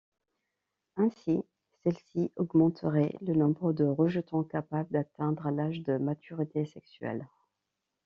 Ainsi, celle-ci augmenterait le nombre de rejetons capable d’atteindre l’âge de maturité sexuelle.